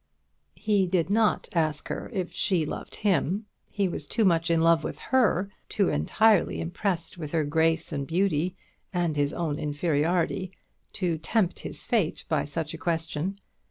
He did not ask her if she loved him; he was too much in love with her too entirely impressed with her grace and beauty, and his own inferiority to tempt his fate by such a question.